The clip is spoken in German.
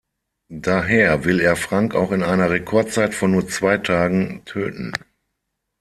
Daher will er Frank auch in einer Rekordzeit von nur zwei Tagen töten.